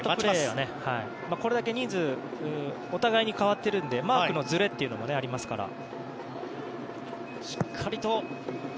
これだけお互いに代わっているのでマークのずれというのもありますからね。